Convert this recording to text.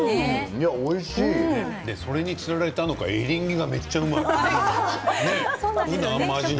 それにつられたのかエリンギがうまい。